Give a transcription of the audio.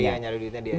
iya nyari duitnya dia